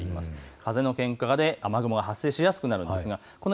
風のけんかで雲が発生しやすくなります。